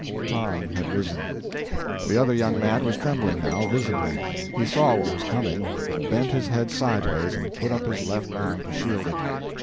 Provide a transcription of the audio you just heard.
Tom had risen. The other young man was trembling now, visibly. He saw what was coming, and bent his head sideways, and put up his left arm to shield it.